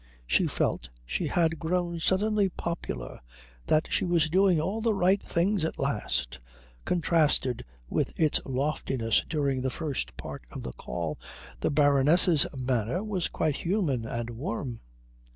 She felt she had grown suddenly popular, that she was doing all the right things at last. Contrasted with its loftiness during the first part of the call the Baroness's manner was quite human and warm.